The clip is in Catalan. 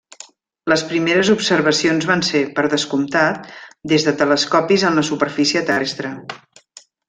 Les primeres observacions van ser, per descomptat, des de telescopis en la superfície terrestre.